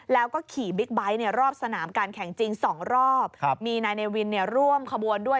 แล้วก็ใส่หมวกกันน็อกเรียบร้อยด้วย